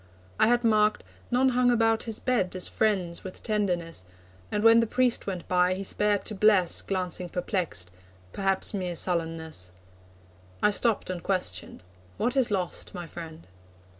I had marked, none hung About his bed, as friends, with tenderness, And, when the priest went by, he spared to bless, Glancing perplexed perhaps mere sullenness. I stopped and questioned: 'What is lost, my friend?'